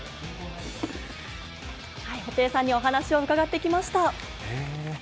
布袋さんにお話を伺ってきました。